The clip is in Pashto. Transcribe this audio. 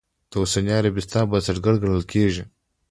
د اوسني عربستان بنسټګر ګڼلی کېږي.